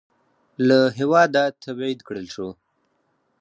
له هېواده تبعید کړل شو.